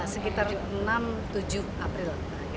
sekitar enam tujuh april